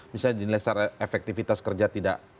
misalnya di nilai efektivitas kerja tidak ada